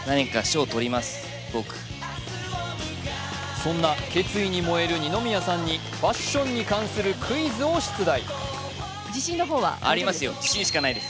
そんな決意に燃える二宮さんにファッションに関するクイズを出題。